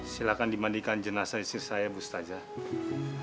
silahkan dimandikan jenazah istri saya bu stajah